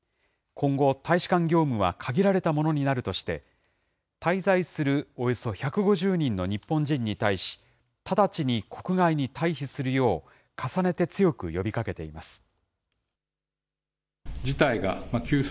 今後、大使館業務は限られたものになるとして、滞在するおよそ１５０人の日本人に対し、直ちに国外に退避するよう、重ねて強く呼びかけています。